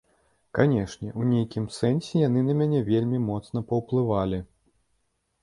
Канешне, у нейкім сэнсе яны на мяне вельмі моцна паўплывалі.